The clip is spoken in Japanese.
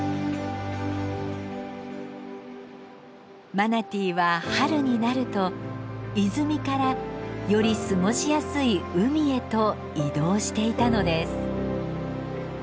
マナティーは春になると泉からより過ごしやすい海へと移動していたのです。